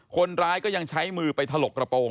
คนร้ายก็ยังใช้มือไปถลกกระโปรง